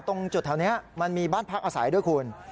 ตรงจุดแถวนี้มันมีบ้านพักอาศัยด้วยคุณ